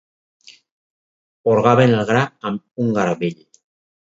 Porgaven el gra amb un garbell.